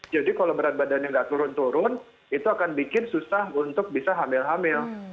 jadi kalau berat badan yang tidak turun turun itu akan bikin susah untuk bisa hamil hamil